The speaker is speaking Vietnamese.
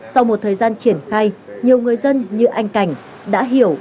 sau một thời gian triển khai nhiều người dân như anh cảnh đã hiểu